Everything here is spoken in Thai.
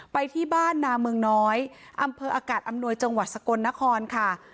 ไปที่บ้านนาเมืองน้อยอำเภออากาศอำนวยจังหวัดสกลนครค่ะ